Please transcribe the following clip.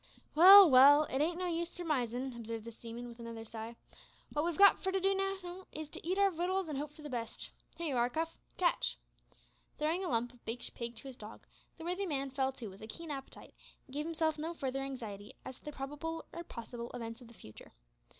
"Well, well, it ain't no use surmisin'," observed the seaman, with another sigh, "wot we've got for to do just now is to eat our wittles an' hope for the best. Here you are, Cuff catch!" Throwing a lump of baked pig to his dog, the worthy man fell to with a keen appetite, and gave himself no further anxiety as to the probable or possible events of the future.